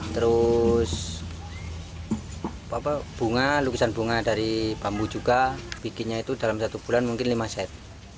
terus bunga lukisan bunga dari bambu juga bikinnya itu dalam satu bulan mungkin lima set